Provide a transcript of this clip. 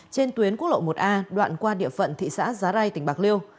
trên tuyến quốc lộ một a đoạn qua địa phận thị xã giá rai tỉnh bạc liêu